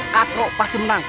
kato pasti menang